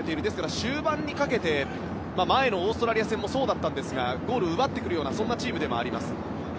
ですから、終盤にかけて前のオーストラリア戦もそうだったんですがゴールを奪ってくるようなそんなチームでもあります。